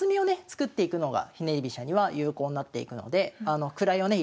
作っていくのがひねり飛車には有効になっていくので位をね